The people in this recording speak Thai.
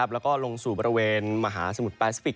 แล้วก็ลงสู่บริเวณมหาสมุทรแปซิฟิก